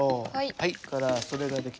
はい。